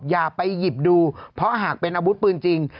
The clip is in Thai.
อย่าไปหยิบดูเพราะหากเป็นอาวุธปืนจริง